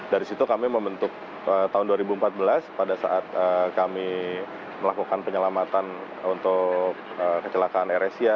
dari situ kami membentuk tahun dua ribu empat belas pada saat kami melakukan penyelamatan untuk kecelakaan air asia